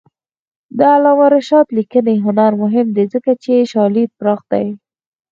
د علامه رشاد لیکنی هنر مهم دی ځکه چې شالید پراخ دی.